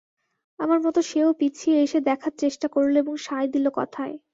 আমার মতো সেও পিছিয়ে এসে দেখার চেষ্টা করল এবং সায় দিল কথায়।